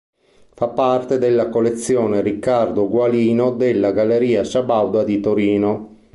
Fa parte della Collezione Riccardo Gualino della Galleria Sabauda di Torino.